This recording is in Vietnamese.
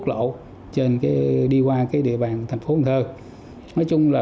bộ thông tin của bộ thông tin là